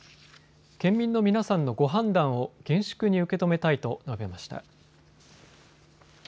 県民の皆さんのご判断を厳粛に受け止めたいと述べました。